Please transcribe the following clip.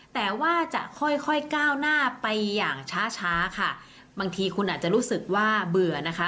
แต่ว่าจะค่อยค่อยก้าวหน้าไปอย่างช้าช้าค่ะบางทีคุณอาจจะรู้สึกว่าเบื่อนะคะ